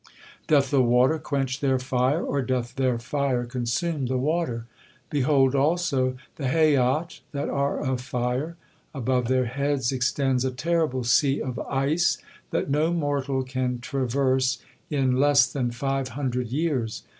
Doth the water quench their fire, or doth their fire consume the water? Behold, also, the Hayyot that are of fire. Above their heads extends a terrible sea of ice that no mortal can traverse in less than five hundred years.